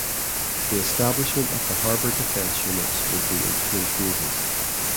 The establishment of the harbour defense units would be in three phases.